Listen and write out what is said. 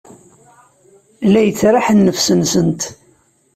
La yettraḥ nnefs-nsent.